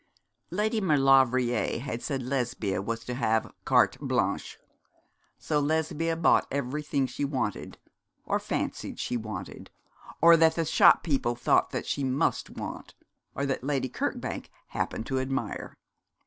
Lady Maulevrier had said Lesbia was to have carte blanche; so Lesbia bought everything she wanted, or fancied she wanted, or that the shop people thought she must want, or that Lady Kirkbank happened to admire.